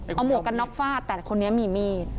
เอาหมวกกันน็อกฟาดแต่คนนี้มีมีด